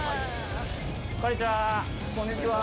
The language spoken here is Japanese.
こんにちは。